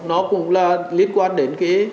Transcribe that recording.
nó cũng là liên quan đến cái